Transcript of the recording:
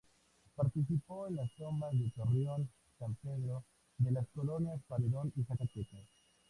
Participó en las tomas de Torreón, San Pedro de las Colonias, Paredón y Zacatecas.